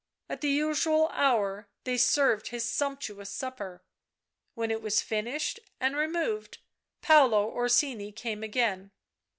At the usual hour they served his sumptuous supper ; when it was finished and removed, Paolo Orsini came again.